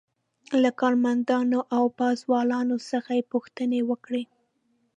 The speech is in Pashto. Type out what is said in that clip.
له کارمندانو او پازوالو څخه یې پوښتنې وکړې.